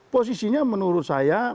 posisinya menurut saya